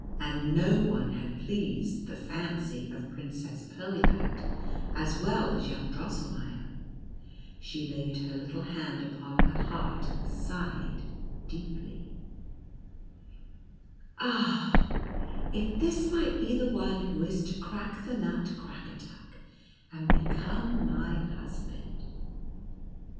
And no one had pleased the fancy of Princess Pirlipat as well as young Drosselmeier ; she laid her little hand upon her heart, and sighed deeply, "Ah, if this might be the one who is to crack the nut Crackatuck, and become my husband